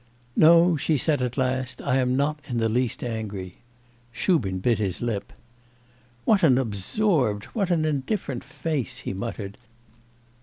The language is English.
'No,' she said at last, 'I am not in the least angry.' Shubin bit his lip. 'What an absorbed... and what an indifferent face!' he muttered.